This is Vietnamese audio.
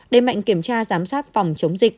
đề mạnh kiểm tra giám sát phòng chống dịch